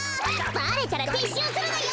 バレたらてっしゅうするのよ。